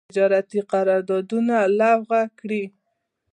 تجارتي قرارداونه لغو کړي.